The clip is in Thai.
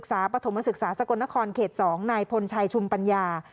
ปฐมศึกษาสกลนครเขต๒นายพลชัยชุมปัญญา